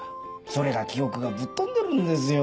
それが記憶がぶっ飛んでるんですよ。